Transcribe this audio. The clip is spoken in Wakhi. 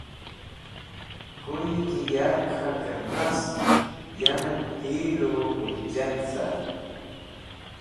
Kuye ki Yark K̃haker nast, yanep Heelu Hujjat cart